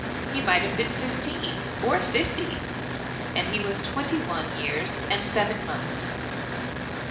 He might have been fifteen or fifty, and was twenty one years and seven months.